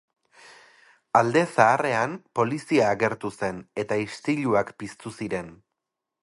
Alde Zaharrean, polizia agertu zen, eta istiluak piztu ziren.